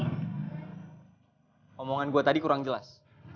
omongan gue tadi kurang jelas